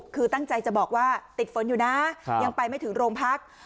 คือตั้งใจจะบอกว่าติดฝนอยู่นะยังไปไม่ถึงโรงพัก